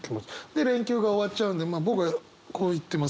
で連休が終わっちゃうんでまあ僕はこう言ってますね。